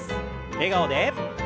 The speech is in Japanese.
笑顔で。